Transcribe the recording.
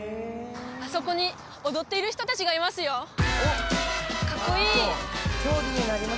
あそこに踊っている人達がいますよかっこいい！